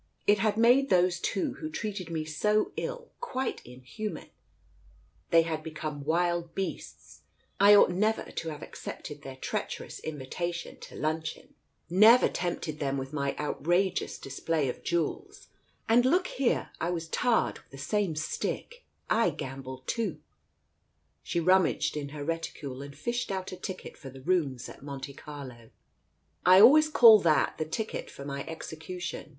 It had made those two who treated me so ill, quite inhuman;' They had become wild beasts. I ought never to have accepted their treacherous invitation to luncheon, Digitized by Google THE COACH 137 never tempted them with my outrageous display of jewels ! And look here, I was tarred with the same stick, I gambled too " She rummaged in her reticule and fished out a ticket for the rooms at Monte Carlo. "I always call that the ticket for my execution.